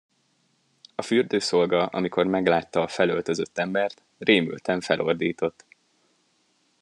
A fürdőszolga, amikor meglátta a felöltözött embert, rémülten felordított.